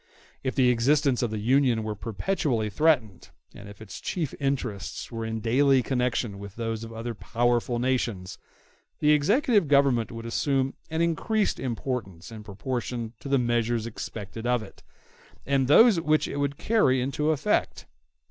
If the existence of the Union were perpetually threatened, and if its chief interests were in daily connection with those of other powerful nations, the executive government would assume an increased importance in proportion to the measures expected of it, and those which it would carry into effect.